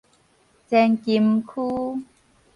前金區